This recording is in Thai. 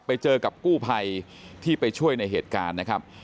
ไปเจอกับกู้ภัยที่ไปช่วยในเหตุการณ์นะครับ